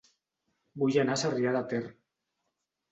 Vull anar a Sarrià de Ter